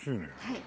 はい。